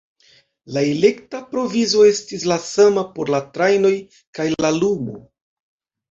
La elektra provizo estis la sama por la trajnoj kaj la lumo.